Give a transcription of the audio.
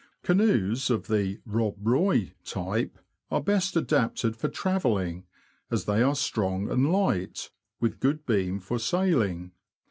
Canoes of the '' Rob Roy '^ type are best adapted for travelling, as they are strong and light, with good beam for sailing.